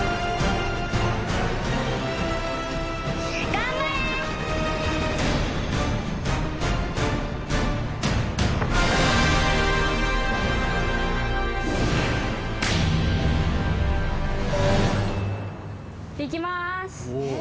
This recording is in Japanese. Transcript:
頑張れ！いきます。